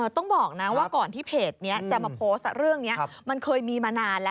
ต้องบอกนะว่าก่อนที่เพจนี้จะมาโพสต์เรื่องนี้มันเคยมีมานานแล้ว